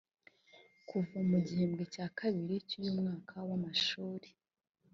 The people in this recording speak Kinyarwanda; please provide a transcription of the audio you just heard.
Kuva mu gihembwe cya kabiri cy’uyu mwaka w’amashuri